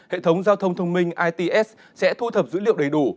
hệ thống giao thông thông minh its sẽ thu thập dữ liệu đầy đủ